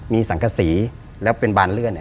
มีสังกษีแล้วเป็นบานเลื่อน